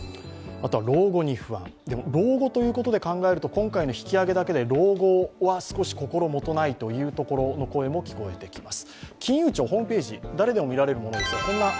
老後ということで考えると今回の引き上げだけで老後は少し心もとないという声も聞こえてきます。